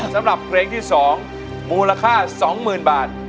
สำหรับเพลงที่สองมูลค่าสองหมื่นบาท